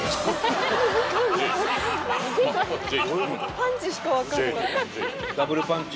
・パンチしか分かんなかった。